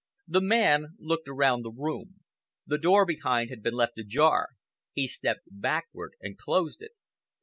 The man looked around the room. The door behind had been left ajar. He stepped backward and closed it.